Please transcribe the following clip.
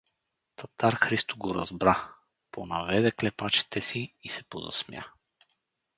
Татар Христо го разбра, понаведе клепачите си и се позасмя.